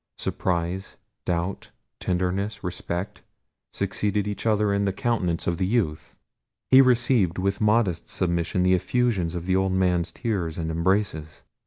Surprise, doubt, tenderness, respect, succeeded each other in the countenance of the youth. He received with modest submission the effusion of the old man's tears and embraces.